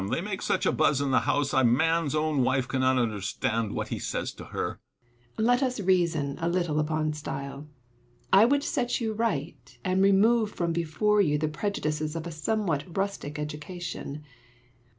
They make such a buzz in the house, a man's own wife cannot understand what he says to her. Seneca. Let us reason a little upon style. I would set you right, and remove from before you the prejudices of a somewhat rustic education.